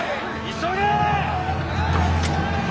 急げ。